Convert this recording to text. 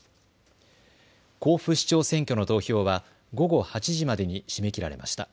甲府市長選挙の投票は午後８時までに締め切られました。